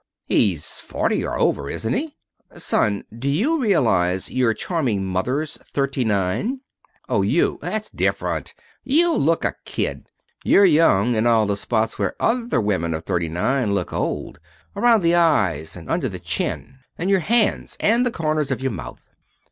"He's forty or over, isn't he?" "Son, do you realize your charming mother's thirty nine?" "Oh, you! That's different. You look a kid. You're young in all the spots where other women of thirty nine look old. Around the eyes, and under the chin, and your hands, and the corners of your mouth."